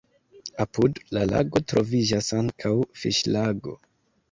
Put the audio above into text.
Apud la lago troviĝas ankaŭ fiŝlago.